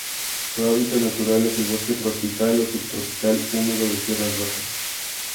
Su hábitat natural es el bosque tropical o subtropical húmedo de tierras bajas.